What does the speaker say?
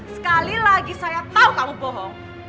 sekali lagi saya tahu kamu bohong